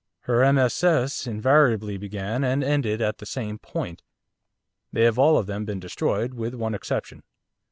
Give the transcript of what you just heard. Her MSS. invariably began and ended at the same point. They have all of them been destroyed, with one exception.